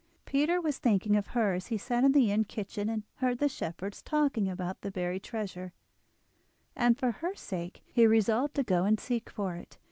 Peter was thinking of her as he sat in the inn kitchen and heard the shepherds talking about the buried treasure, and for her sake he resolved to go and seek for it.